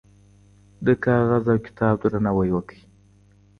د کاغذ او کتاب درناوی وکړئ.